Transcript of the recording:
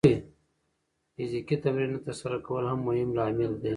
فزیکي تمرین نه ترسره کول هم مهم لامل دی.